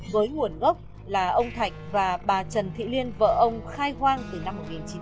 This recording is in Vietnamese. với nguồn gốc là ông thạch và bà trần thị liên vợ ông khai hoang từ năm một nghìn chín trăm bảy mươi